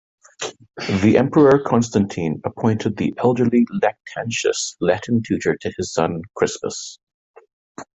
The Emperor Constantine appointed the elderly Lactantius Latin tutor to his son Crispus.